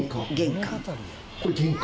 これ玄関？